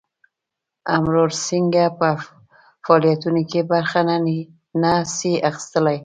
امراو سینګه په فعالیتونو کې برخه نه سي اخیستلای.